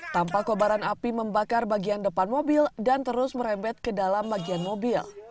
tanpa kobaran api membakar bagian depan mobil dan terus merembet ke dalam bagian mobil